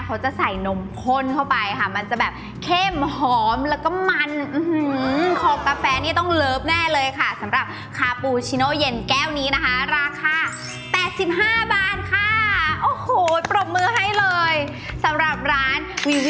เขาจะใส่นมข้นเข้าไปค่ะมันจะแบบเข้มหอมแล้วก็มันของกาแฟนี่ต้องเลิฟแน่เลยค่ะสำหรับคาปูชิโน่เย็นแก้วนี้นะคะราคา๘๕บาทค่ะโอ้โหปรบมือให้เลยสำหรับร้านวีวิ